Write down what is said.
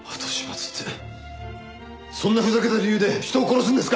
そんなふざけた理由で人を殺すんですか！？